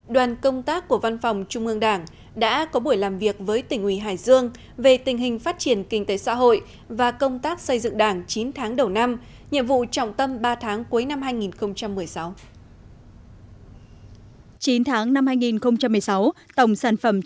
đoàn công tác của văn phòng trung ương đảng đã có buổi làm việc với tỉnh ủy hải dương về tình hình phát triển kinh tế xã hội và công tác xây dựng đảng chín tháng đầu năm nhiệm vụ trọng tâm ba tháng cuối năm hai nghìn một mươi sáu